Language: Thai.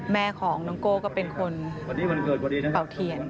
แม่ของน้องโก้ก็เป็นคนเปล่าเทียน